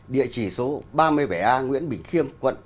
địa chỉ số ba mươi bảy a nguyễn bình khiêm quận hai mươi hai